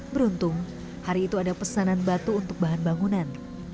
beruntung hari itu ada pesanan batu untuk bahan bangunan